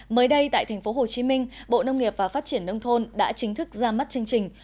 mới đây tại tp hcm bộ nông nghiệp và phát triển nông thôn đã chính thức ra mắt chương trình